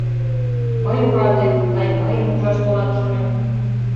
Мый, ораде, тый мыйым ужаш толат, шонем.